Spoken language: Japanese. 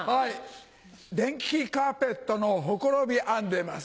電気カーペットのほころび編んでます。